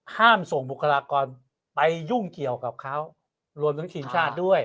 ห้ามส่งบุคลากรไปยุ่งเกี่ยวกับเขารวมทั้งทีมชาติด้วย